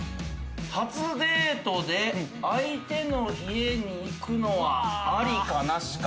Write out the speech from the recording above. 初デートで相手の家に行くのはありかなしか。